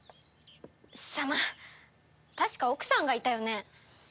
様確か奥さんがいたよね。